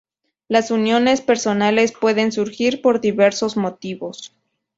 Las uniones personales pueden surgir por diversos motivos.